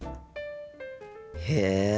へえ。